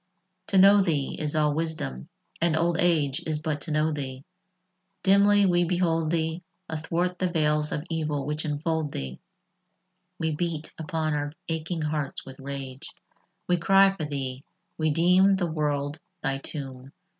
II To know thee is all wisdom, and old age Is but to know thee: dimly we behold thee Athwart the veils of evil which enfold thee We beat upon our aching hearts with rage; We cry for thee: we deem the world thy tomb.